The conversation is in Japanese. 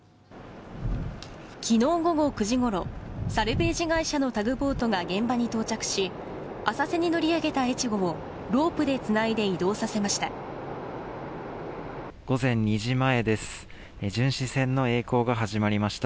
昨日午後９時ごろサルベージ会社のタグボートが現場に到着し浅瀬に乗り上げた「えちご」をロープでつないで移動させました。